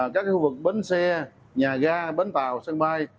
các khu vực bến xe nhà ga bến tàu sân bay